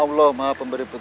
allah maha pemberi betul